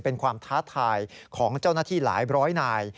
เป็นความท้าทายของเจ้าหน้าที่หลายร้อยนาย